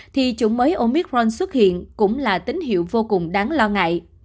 thì chủng mới omicron xuất hiện cũng là tín hiệu vô cùng đáng lo ngại